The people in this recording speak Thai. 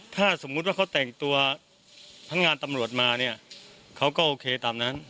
ถ้าสมมุติว่าเขาแต่งตัวพนักงานตำรวจมาเนี่ยเขาก็โอเคตามนั้น